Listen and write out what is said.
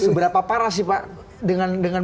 seberapa parah sih pak dengan